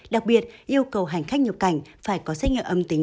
đặc biệt yêu cầu hành khách nhập cảnh phải có xét nghiệm âm tính